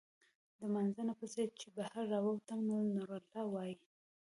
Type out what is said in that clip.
د مانځۀ نه پس چې بهر راووتم نو نورالله وايي